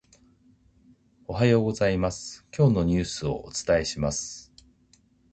おはようございます、今日のニュースをお伝えします。